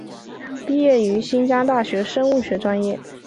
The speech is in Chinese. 毕业于新疆大学生物学专业。